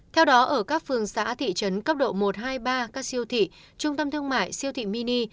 theo đó ở các phường xã thị trấn cấp độ một hai mươi ba các siêu thị trung tâm thương mại siêu thị mini